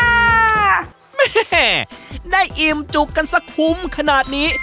แม่ได้อิ่มจุกกันสักคุ้มขนาดนี้